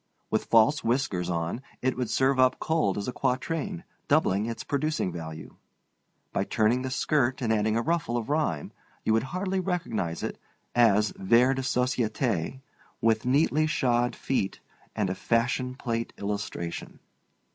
With false whiskers on, it would serve up cold as a quatrain, doubling its producing value. By turning the skirt and adding a ruffle of rhyme you would hardly recognize it as vers de societe with neatly shod feet and a fashion plate illustration.